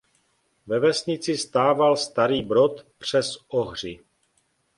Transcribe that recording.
Ve vesnici stával starý brod přes Ohři.